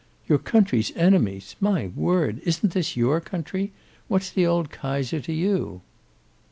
"Your country s enemies. My word! Isn't this your country? What's the old Kaiser to you?"